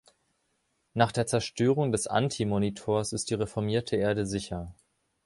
Nach der Zerstörung des Anti-Monitors ist die reformierte Erde sicher.